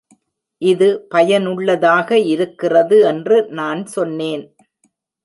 இது பயனுள்ளதாக இருக்கிறது என்று நான் சொன்னேன்